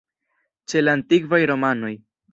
Ĉe la antikvaj romanoj.